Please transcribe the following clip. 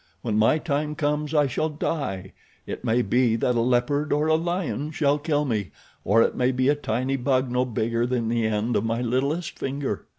When my time comes I shall die. It may be that a leopard or a lion shall kill me, or it may be a tiny bug no bigger than the end of my littlest finger.